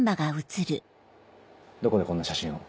どこでこんな写真を？